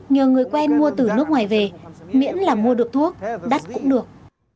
nhờ người quen mua từ nước ngoài về miễn là mua được thuốc đắt cũng được